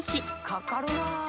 かかるな。